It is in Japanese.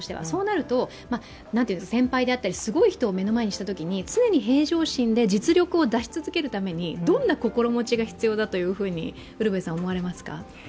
そうなると、先輩であったりすごい人を目の前にしたときに常に平常心で実力を出し続けるためにどんな心持ちが必要だとウルヴェさんは思われますか。